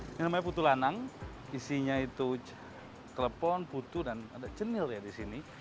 ini namanya putulanang isinya itu telepon putu dan ada jenil ya di sini